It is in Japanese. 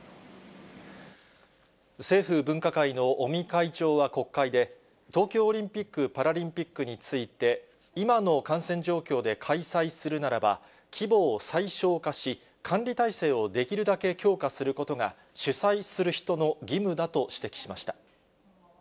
政府分科会の尾身会長は国会で、東京オリンピック・パラリンピックについて、今の感染状況で開催するならば、規模を最小化し、管理体制をできるだけ強化することが、主催する人の義務だと指摘しました。